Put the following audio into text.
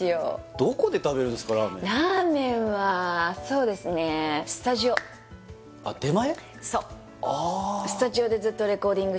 どこで食べるんですかラーメンラーメンはそうですねあっ出前？